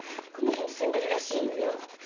この辺に住んでるらしいのよ。